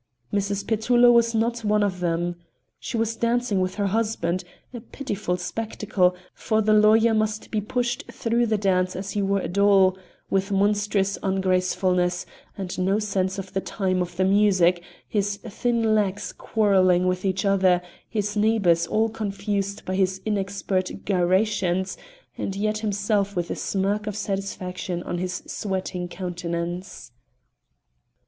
Mrs. Petullo was not one of them. She was dancing with her husband a pitiful spectacle, for the lawyer must be pushed through the dance as he were a doll, with monstrous ungracefulness, and no sense of the time of the music, his thin legs quarrelling with each other, his neighbours all confused by his inexpert gyrations, and yet himself with a smirk of satisfaction on his sweating countenance.